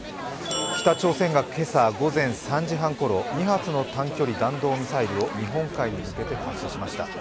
北朝鮮が今朝午前３時半ごろ、２発の短距離弾道ミサイルを日本海に向けて発射しました。